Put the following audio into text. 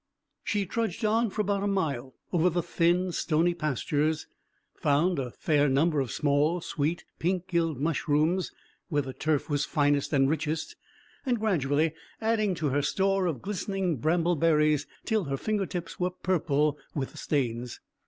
She trudged on for about a mile over the thin stony pastures, found a fair number of small, sweet, pink gilled mushrooms where the turf was finest and richest, and gradually adding to her store of glistening bramble berries till her finger tips were purple with the stains.